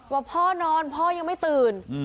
ว่าพ่อนอนพ่อยังไม่ตื่น